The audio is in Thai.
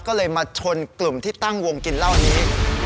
ก็เลยมาชนกลุ่มที่ตั้งวงกินเหล้านี้